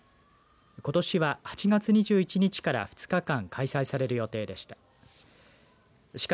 ことしは８月２１日から２日間開催される予定でした。